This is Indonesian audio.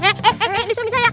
eh eh ini suami saya